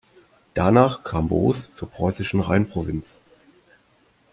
Danach kam Boos zur preußischen Rheinprovinz.